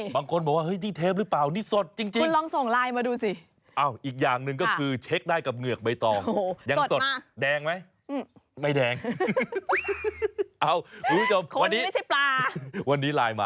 บางคนนี้แบบนี้สดหรือเปล่า